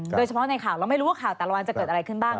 โดยเฉพาะในข่าวเราไม่รู้ว่าข่าวแต่ละวันจะเกิดอะไรขึ้นบ้าง